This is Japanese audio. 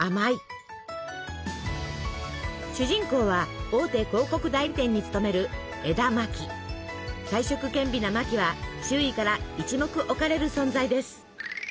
主人公は大手広告代理店に勤める才色兼備なマキは周囲から一目置かれる存在です。